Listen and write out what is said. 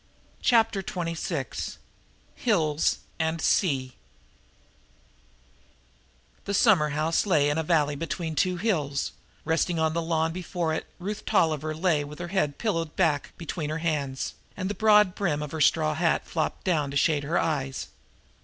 Chapter Twenty six Hills and Sea The summerhouse lay in a valley between two hills; resting on the lawn before it Ruth Tolliver lay with her head pillowed back between her hands, and the broad brim of her straw that flopped down to shade her eyes.